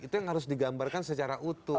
itu yang harus digambarkan secara utuh